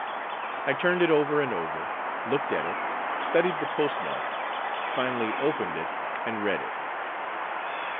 I turned it over and over, looked at it, studied the postmark, finally opened it and read it.